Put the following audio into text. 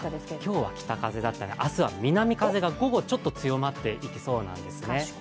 今日は北風だったんですが、明日は午後、南風がちょっと強まっていきそうなんですね。